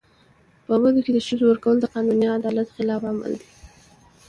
په بدو کي د ښځو ورکول د قانوني عدالت خلاف عمل دی.